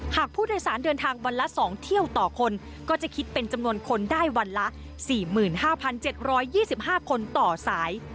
หากผู้โดยสารเดินทางวันละสองเที่ยวต่อคนก็จะคิดเป็นจำนวนคนได้วันละสี่หมื่นห้าพันเจ็ดร้อยยี่สิบห้าคนต่อสาย